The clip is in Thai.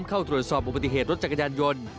เข้าตรวจสอบอุบัติเหตุรถจักรยานยนต์